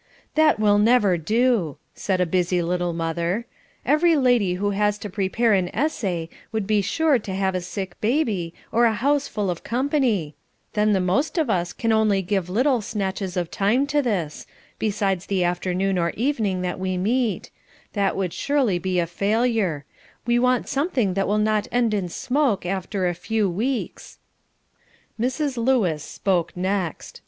"That will never do," said a busy little mother, "every lady that was to prepare an essay would be sure to have a sick baby, or a house full of company; then the most of us can only give little snatches of time to this, besides the afternoon or evening that we meet; that would surely be a failure; we want something that will not end in smoke after a few weeks." Mrs. Lewis spoke next.